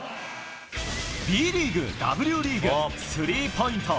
Ｂリーグ、Ｗリーグ、スリーポイント